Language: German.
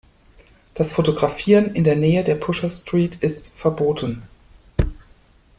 Das Fotografieren in der Nähe der Pusher Street ist verboten.